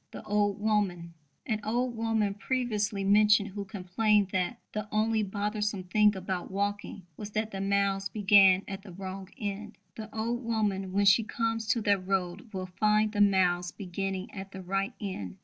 The old woman an old woman previously mentioned who complained that "the only bothersome thing about walking was that the miles began at the wrong end" the old woman when she comes to that road will find the miles beginning at the right end.